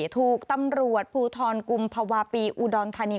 ถูกตำรวจภูทรกุมภาวะปีอุดรธานี